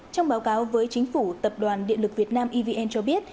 trong báo cáo với chính phủ tập đoàn điện lực việt nam evn cho biết